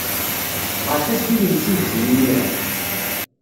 Ɣret-as-d i yimsujji imir-a.